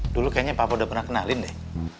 dulu kayaknya papa udah pernah kenalin deh